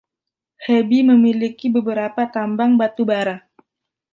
Hebi memiliki beberapa tambang batubara.